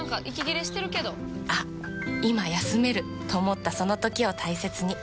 あっ今休めると思ったその時を大切に。